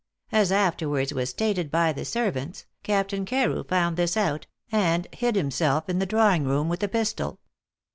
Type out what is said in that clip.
As afterwards was stated by the servants, Captain Carew found this out, and hid himself in the drawing room with a pistol.